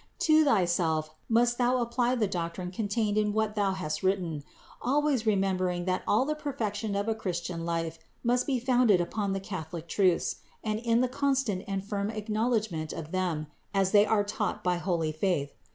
To thy self must thou apply the doctrine contained in what thou hast written ; always remembering that all the perfection of a Christian life must be founded upon the Catholic truths, and in the constant and firm acknowledgment of them, as they are taught by holy faith.